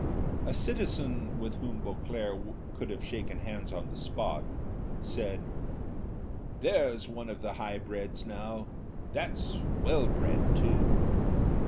A citizen, with whom Beauclerc could have shaken hands on the spot, said, "There's one of the highbreds, now, that's well bred too."